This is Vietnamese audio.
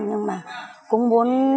nhưng mà cũng muốn